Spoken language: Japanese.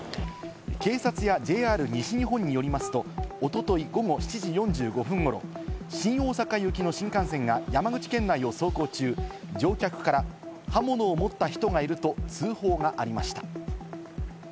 警察やＪＲ西日本によりますと、おととい午後７時４５分ごろ、新大阪行きの新幹線が山口県内を走行中、乗客から刃物を持った人がいると通報がありました。